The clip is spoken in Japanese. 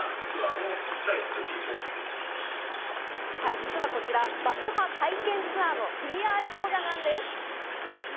実はこちら爆破体験ツアーのＰＲ動画なんです。